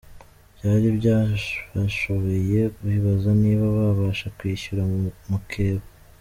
Byari byabashobeye bibaza niba babasha kwishyura mukeba.